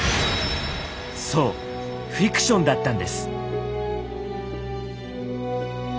そうフィクションだったんです。